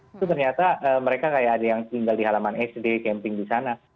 itu ternyata mereka kayak ada yang tinggal di halaman sd camping di sana